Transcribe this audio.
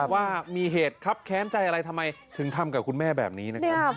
ว่ามีเหตุครับแค้นใจอะไรทำไมถึงทำกับคุณแม่แบบนี้นะครับ